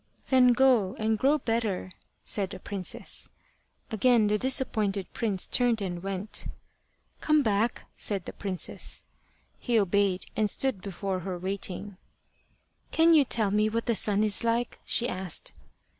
"Then go and grow better," said the princess. Again the disappointed prince turned and went. "Come back," said the princess. He obeyed, and stood before her waiting. "Can you tell me what the sun is like?" she asked.